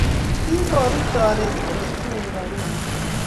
kiiboru toret kole tinyei kibagenge.